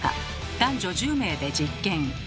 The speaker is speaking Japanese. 男女１０名で実験。